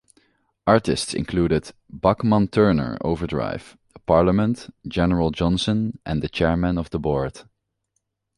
Artists included Bachman-Turner Overdrive, Parliament, General Johnson and the Chairmen of the Board.